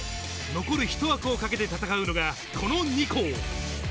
残るひと枠を懸けて戦うのがこの２校。